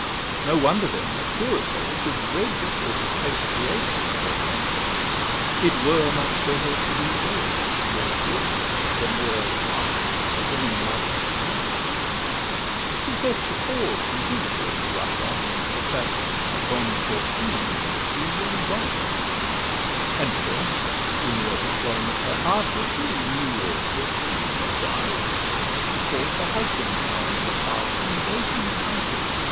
No wonder then a purer soul should dread This sort of chaste liaison for a friend; It were much better to be wed or dead, Than wear a heart a woman loves to rend. 'Tis best to pause, and think, ere you rush on, If that a 'bonne fortune' be really 'bonne.' And first, in the o'erflowing of her heart, Which really knew or thought it knew no guile, She call'd her husband now and then apart, And bade him counsel Juan.